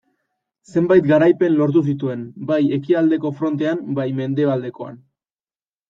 Zenbait garaipen lortu zituen, bai ekialdeko frontean, bai mendebaldekoan.